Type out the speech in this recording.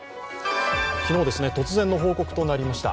昨日、突然の報告となりました。